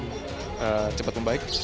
kita cepat membaik